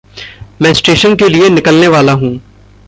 मैं स्टेशन के लिए निकलने वाला हूँ।